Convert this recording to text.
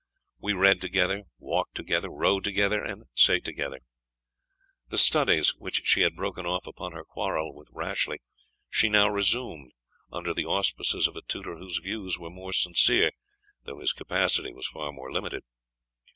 We read together, walked together, rode together, and sate together. The studies which she had broken off upon her quarrel with Rashleigh, she now resumed, under the auspices of a tutor whose views were more sincere, though his capacity was far more limited.